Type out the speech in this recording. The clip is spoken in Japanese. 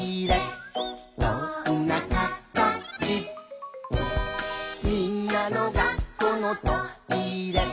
「どんなかたち」「みんなの学校のトイレ」